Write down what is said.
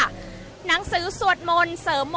อาจจะออกมาใช้สิทธิ์กันแล้วก็จะอยู่ยาวถึงในข้ามคืนนี้เลยนะคะ